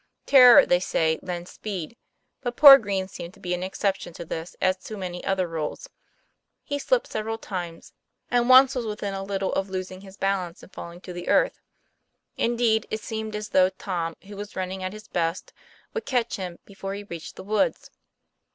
Terror, they say, lends speed. But poor Green seemed to be an exception to this as to many other rules. He slipped several times, and once was within a little of losing his balance and falling to the earth. Indeed it seemed as though Tom, who was running at his best, would catch him before he reached the woods.